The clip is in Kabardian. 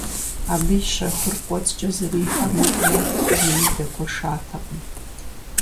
Абы и щэхур кӀуэцӀкӀэ зэрихьэ мыхъумэ, зыми дэгуэшатэкъым.